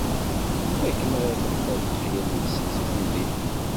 Akken ara temḥuḍ lexyal-nsen si temdint.